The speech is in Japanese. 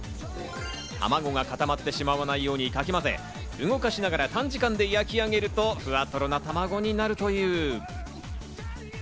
卵が固まってしまわないようにかきまぜ、動かしながら短時間で焼き上げるとふわとろな卵になるという。